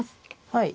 はい。